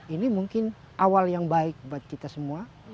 ini mungkin awal yang baik buat kita semua